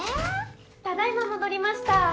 ・・ただ今戻りました。